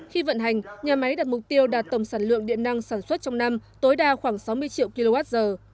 khi vận hành nhà máy đặt mục tiêu đạt tổng sản lượng điện năng sản xuất trong năm tối đa khoảng sáu mươi triệu kwh